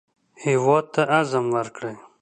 هېواد ته عزم ورکړئ